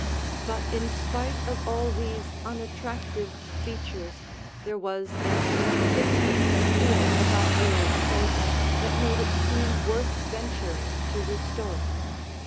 But in spite of all these unattractive features, there was an insistent appeal about the old place that made it seem worth venturing to restore.